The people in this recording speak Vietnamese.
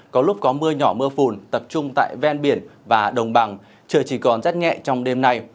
có lúc có mưa nhỏ mưa phùn tập trung tại ven biển và đồng bằng trời chỉ còn rất nhẹ trong đêm nay